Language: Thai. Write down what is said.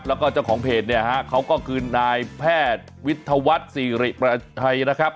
แล้วก็เจ้าของเพจเนี่ยฮะเขาก็คือนายแพทย์วิทยาวัฒน์สิริประชัยนะครับ